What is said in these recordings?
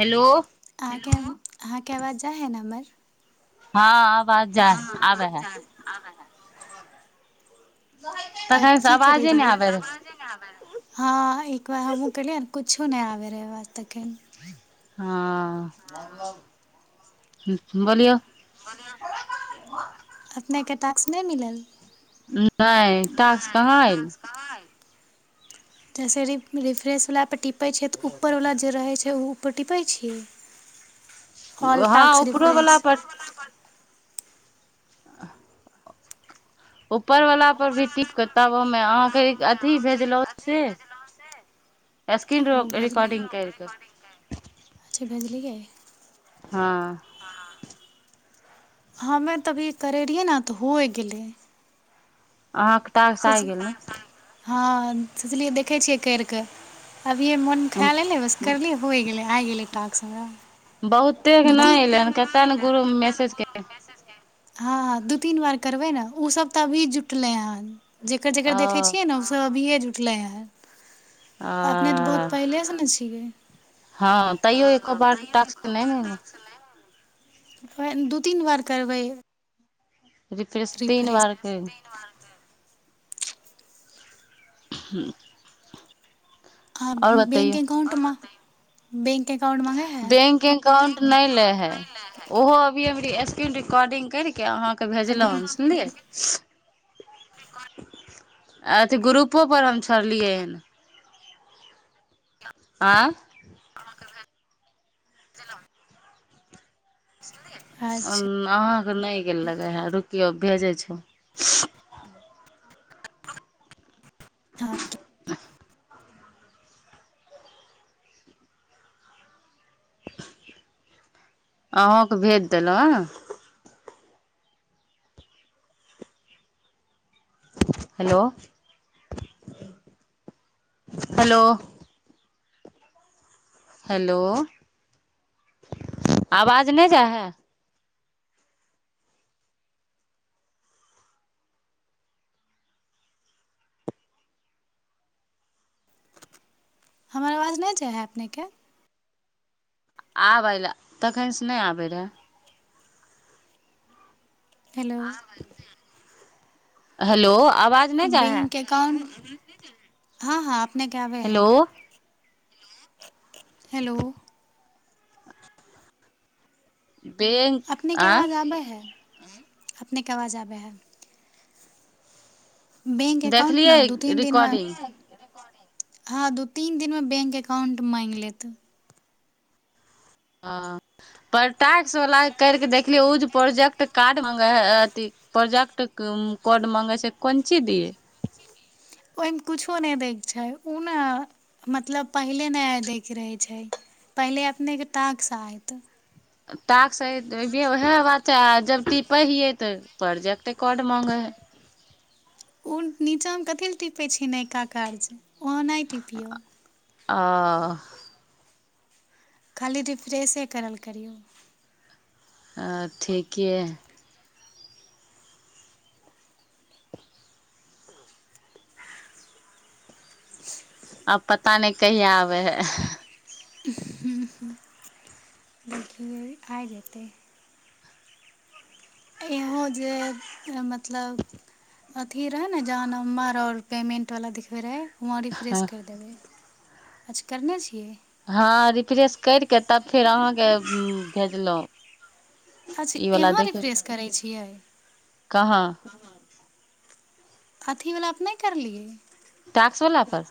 hello अहाँके अहाँके आवाज जाइ हइ ने हमर हँ अब आवाजा आबै है तब तखन से की करे आवाजे नहि रहियै तखन आबै से रहै अवाजे नहि आबय रहय हँ एक बार हमहुँ कलियै ने कु किछो नहि आबै रहै तखन हँ बोलियौ नयका टाक्स नहि मिलल नहि टाक्स कहाँ एलै जैसे रिप रिफ्रेश वला पर टिप पै छै तऽ ऊपरवला जे रहै छै ओ ओय पर टीपय छियै ऑल हँ टास्क ऊपरो रिफ्रेश वला पर ऊपर वला पर भी टिपके तब हमे अहाँके अथी भेजलहुँ से स्क्रिन ओ भेजली रिकार्डिंग करि के अच्छा भेजलियै ह हमे तऽ अभी करै रहियै ने तऽ होय गेलै अहाँक टास्क आइ सोच गेल ने हँ सोचलियै देखै छियै करिके अभिये मोन ने ख्याल एलै बस करली होय गेलै आ गेले टास्क हमरा बहुते के दू नहि एलै तीन हन कते ने गुरुप मे मैसेजके हँ हँ दू तीन बार करबै ने ओसभ तऽ अभी जुटलै हन जेकर जेकर देखे ओ छियै ने ओ सब अभिये जुटलै हन अपने तऽ बहुत आ पहिले सुन छी छिकै हँ तैयो एको बार टास्क नहि ने दू तीन बार करबै रिफ्रेश तीन बारके ह आ बैंक अकउंटमे बैंक अकाउंट नहि ले है ओहो अभी अभी रिकॉर्डिंग कर के अह के अभी भेजलनि सुनलिय अथि ग्रुपोपर हम छोड़लियै हन आँ [unintelligible] [unintelligible] अहाँके नहि गेल लगै हए रुकियौ भेजै छौ [unintelligible] अहूँकेँ भेज देलहुँ हेलो हेलो हेलो आवाज नहि जाए है हमर आवाज नहि जा हइ अपनेके आबय लए तखनसँ नहि आबैत रहए हेलो हेलो आवाज नहि जाइ हइ बैंक एकाउंट हँ हँ अपनेके आबै हए हेलो हेलो बैंक अपनेके आँ आवाज आबै हइ अपनेके आवाज आबै हए बैंक एकाउंट न देखलियै दू तीन रिकॉर्डिंग दिनमे हँ दू तीन दिनमे बैंक अकाउंट माङगि लेत हँ पर टैक्सवला करि कऽ देखलियै ओ जे प्रोजेक्ट कार्ड मङ्गै ह अथि प्रोजेक्ट कोड मङ्गै छै कोन चीज दियै मे कुछो नहि दैके छै ओ ने मतलब पहिले नहि दैके रहै छै पहिले अपनेके ताकस आत ाक् उएह बात छै आ जब टीपै हियै तऽ प्रोजेक्ट कोर्ड मांगै है ओ नीचाँमे कथी लए टीपै छै नयका कज अहाँ नहि टिपियौ आ खाली रिफ्रेशे करल करियौ आ ठीक य आब पता नहि कहिय आबै है देखियै आ जेतै एहो जे र मत मतलब अथी रहै ने जहाँ नम्बर आओर पेमेन्ट वालला दिबै रहै वुाँ रिफ्रेश कर देबै अच्छा करने छियै हँ रिफ्रेस करि कऽ तब फेर अहाँके भेजलहुँ अच्छा ई वला यहाँ देखियौ रिफ्रेश करैत छियै कहाँ अथीवला त नहि करलियै टैक्सवला पर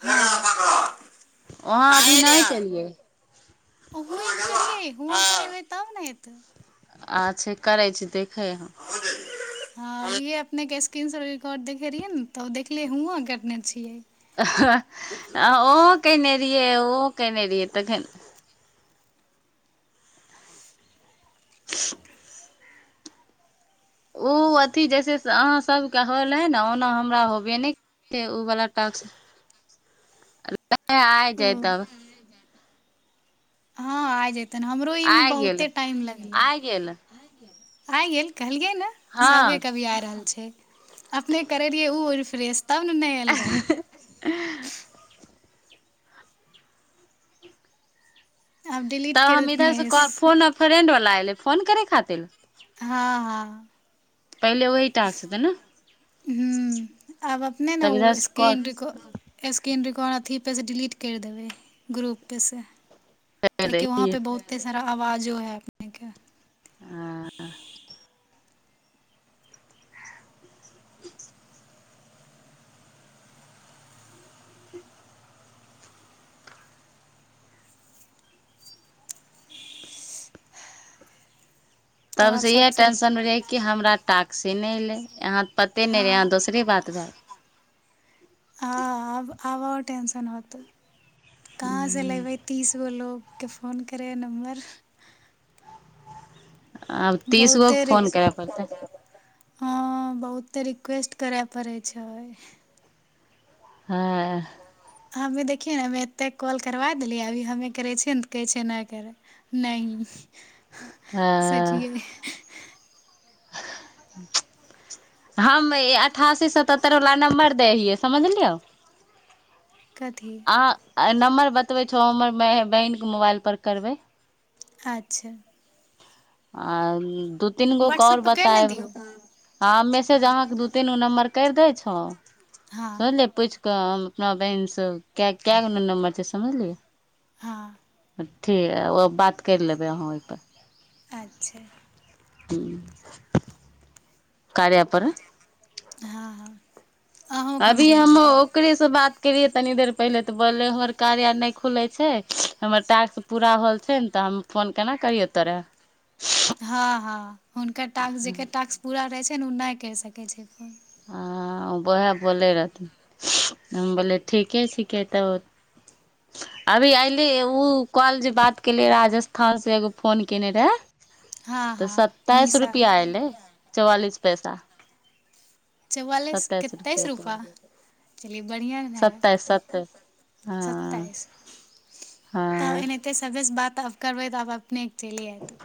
हँ ब वहाँ अभी नहि केलियै ठीक तब ने एत अच्छा करै छी देख हे हँ ह इे अपने के स्क्रीन रिकॉर्ड देखे रहियै ने तऽ देखलिय हुआ कने छियै ओ केने रहियै ओ केनेरहिय तखन [unintelligible] ओ अथी जैसे अहाँ सबके होल है ने ओना हमरा होबे नहि कर छै ओ वलाटक त आय जाय तएन हँ आ जेतै तहन हमरो ईमे आइ गेल बहुते टाइम लगलै आइ गेल आ गेल कहलिए ने सभे हँ कभी आ रहल छै अपने करै रहियै ओ रिफ्रेश तब ने नहि आयल रहै आब डिलीट तब करि हम इधर देथिन से एस फोन आर फ्रेंड वालला एले फोन करै खातिर हँ हँ पहिले वही टास्क हेतै ने हुँ आब अपने ने तब इधर ओ से कॉल स्क्रन रे स्क्रन र कोन अथीपे सँ डिलीट करि देबै ग्रुपपे सँ कर कियाकि वहाँ रहियै पे बहुते सारा आवाजो हे अपनेक आ तब आब से इहे सबसँ टेंशन रहि कि हमरा टाक्स नहि एले यहाँ पते ने रय हँ हँ दोसरी बात भ टेन्शन होतऽ कहा स लबै तीस गो लोग के फोन करय नम्बर आब तीसगोके बहुते रि फोन करय पड़तै हँ बहुत ते रिक्वेस्ट करय पड़ै छै हँ हमे देखियै ने हमे एतेक कॉल करबा देलियै अभी हमे करै छियै ने तऽ कहै छिय नहि करै नहि सच हँ गेल [unintelligible] हम अठासी सतहतर ला नम्बर दै हियै समझलियौ कथी अहाँ नम्बर बतबै छौ हमर बहिनके मोबाइल पर करबै अच्छा आर दू तीनगो के आओर व्हाट्सअप पर करि ने बतायब दियौ ह मैसेज अहाँके दू तीन गो नम्बर करि दै छै हँ हँ स लेपै छै हम अपना बहिन से क‌ए क‌ए गो न नम्बर छै समझलियै हँ ठीक बात करि लेबै अहाँ ओहिपर अच्छा ह कार्या पर हँ हँ अहूँके अभी भेज हम देबै ओकरे से बात केलियै तनि देर पहिले तऽ बोललै हमर कार्या आर नहि खुलै छै हमर टास्क पूरा होल छै ने तऽ हम फोन केना करियौ तोरा हँ हँ हुनकर टास्क जे टास्क पूरा रहय छै फेन ओ नहि करि सकै छै फोन हँ उएह बोले रहथिन हम बोललियै ठीके छिकै तब अभी अयली ओ कॉल जे बात केलियै राजस्थान से एगो फोन केने रहए हँ तऽ हँ सतताइस निशा रुपआ एऐलै चौआालिस पसा चौआलिस कतेइस रुपैआ बढ़ििया है सत्ताइस सत्ताइस हँ स्तइस तब हँ एनाहिते सबेसँ बात तब करबै तऽ आब अपने चेले आय त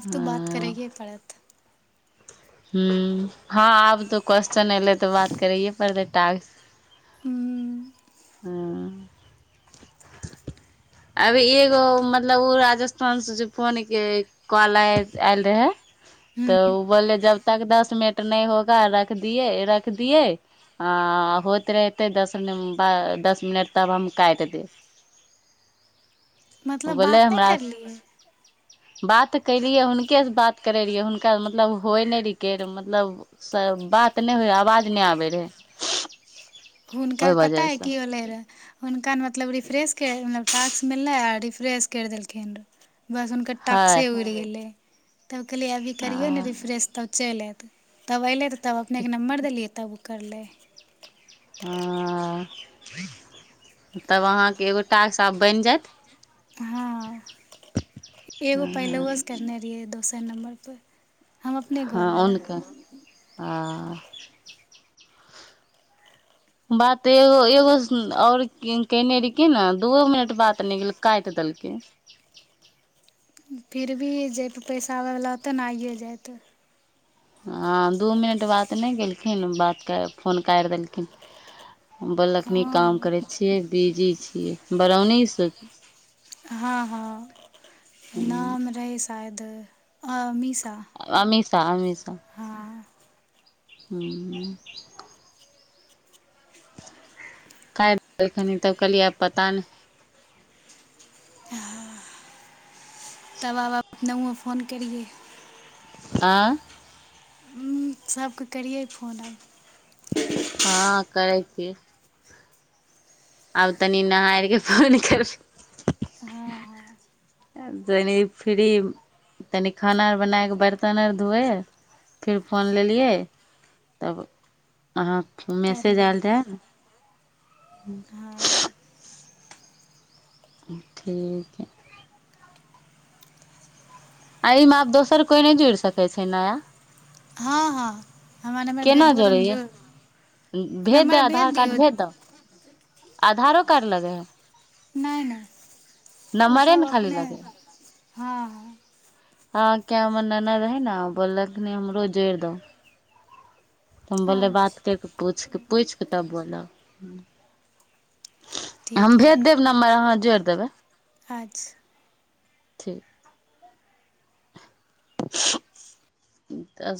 आब तो बात हँ करैग पड़त हू हँ आब तो क्वस््चन एलै तऽ बात करैयए पर दइ हू आ अभी एगो मतलब ओ राजस्थानसँ जे फोनके कॉल आय आयल रहय तऽ हुँ ओ बोलले जब तक दस मिनट नहि होगा रख दियै रख दियै आ होइत रहतै दसिन दस मिनट तब हम काटि दे मतलब बात नहि करली बात कलियै हुनके से बात करैत रहियै हुनका मतलब होइ नहि रहििकै मतलब बात नहि होइ रह आवाज नहि आबैत रहै हुनका ओहि पता है वजहसँ की होलै रहऽ हुनका मतलब रिफ्रेश टस म आ िफ्रे क देलकन बस हुनके हइ टक्से उड़ि गेले तब कहलियए अभी करियो ने आ रिफ्रेश तऽ चलि आएतै तब अयलै तऽ तब अपनेके नम्बर देलियै तब ओ करलै ह तब अहाँके एगो टाकसँ आ बनि जायत हँ एगो पहिले उ करने रहियै दोस द नम्बर परर हँ ओनकनकऽ आ बात एगो एगो आओर कने रहि की ने दूओ मिनट बात नहि काटि देलकै फिर भी जयबै पैसा आबयवला ओतै ने आइए जायत हँ दू मिनट बात नहि गेलखिन बात कर फोन करि देलखिन बोललखिन काम करै हँ छियै बिजी छियै बरौनीसँ [unintelligible] शायदी अमषा अमीषा ख रहलखनी तब कहलिय आब पता नहि ह तब व फोन कियै आँ सभकेँ करियै फोन आब हँ करै छी आब तनी न हारके फोन कर हँ हँ तनि फ्री तनि खाना अर बनाए कऽ बरतन अर धोए फेर फोन लेलियै तब अहाँ फ मैसेज करियै आयल रहाय ह हँ ठीक हइ आ एहिमे आ दोसर कोई नहि जोड़ सकै छै नया हँ हँ हमरा नम्बर भेज केना देबह तऽ हम जोड़ैयै जो भेज दे नम्बर आधार कार्ड दियौ भेज दह आधारो कार्ड लगै हइ नहि नहि नम्बरे ओसभ ने खाली अपने लगै हँ हइ हँ क्य हमर नने रहे ने बोललखिन हमरो जोड़ि दो तऽ हम बोललै बात अच्छा करि कऽ पूछि कऽ पूछि कऽ तब बोलब हम ठीक भेज देब हइ नम्बर अहाँ जोड़ि देबै अच्छा ठीक त